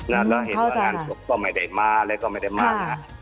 แล้วเห็นว่าร้านก็ไม่ได้มาแล้วก็ไม่ได้มา